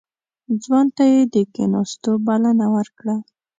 ځوان ته يې د کېناستو بلنه ورکړه.